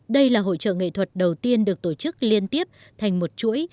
đây là hội trợ nghệ thuật đầu tiên được tổ chức liên tiếp thành một chuỗi